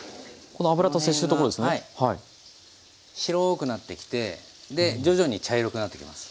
この辺がはい白くなってきてで徐々に茶色くなってきます。